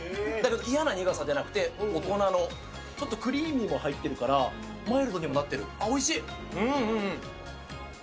嫌な苦さじゃなくて、大人の、ちょっとクリーミーも入ってるから、マイルドにもなってる。